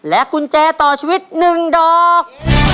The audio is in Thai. กุญแจต่อชีวิต๑ดอก